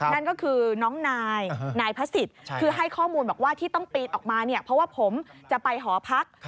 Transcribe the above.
นั่นก็คือน้องนายนายพระศิษย์คือให้ข้อมูลบอกว่าที่ต้องปีนออกมาเนี่ยเพราะว่าผมจะไปหอพัก